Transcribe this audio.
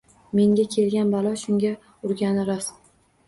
Menga kelgan balo shunga urgani rost